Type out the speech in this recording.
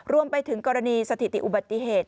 รวมไปถึงกรณีสถิติอุบัติเหตุ